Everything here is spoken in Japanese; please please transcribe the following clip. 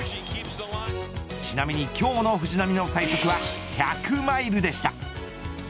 ちなみに今日の藤浪の最速は１００マイルでした。